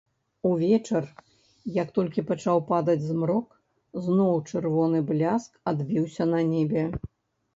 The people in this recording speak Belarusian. Увечар, як толькі пачаў падаць змрок, зноў чырвоны бляск адбіўся на небе.